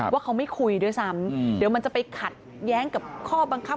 ว่าเขาไม่คุยด้วยซ้ำเดี๋ยวมันจะไปขัดแย้งกับข้อบังคับ